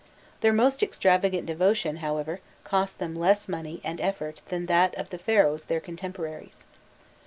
Their most extravagant devotion, however, cost them less money and effort than that of the Pharaohs their contemporaries.